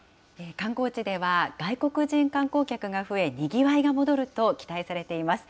観光地では外国人観光客が増え、にぎわいが戻ると期待されています。